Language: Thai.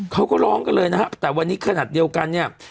เขาก็ร้องกันเลยนะครับแต่วันนี้ขนาดเดียวกันเนี่ย